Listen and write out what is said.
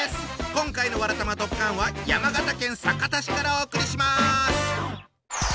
今回の「わらたまドッカン」は山形県酒田市からお送りします。